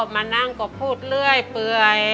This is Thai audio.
มานั่งก็พูดเรื่อยเปื่อย